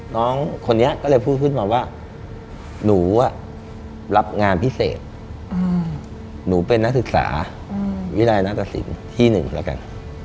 น้องคนนี้ก็เลยพูดขึ้นมาว่าหนูรับงานพิเศษหนูเป็นนักศึกษาวิรัยนาตสินที่๑แล้วกัน